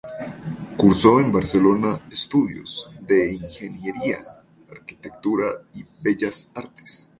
Cursó en Barcelona estudios de Ingeniería, Arquitectura y Bellas Artes.